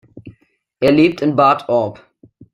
Er lebt in Bad Orb.